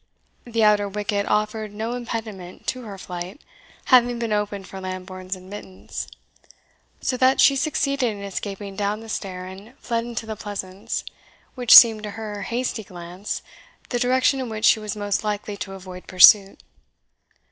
The outer wicket offered no impediment to her flight, having been opened for Lambourne's admittance; so that she succeeded in escaping down the stair, and fled into the Pleasance, which seemed to her hasty glance the direction in which she was most likely to avoid pursuit.